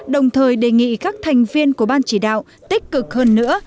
đồng thời đề nghị các thành viên của ban chỉ đạo tích cực hơn nữa